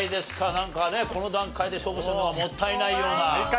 なんかねこの段階で勝負するのはもったいないような。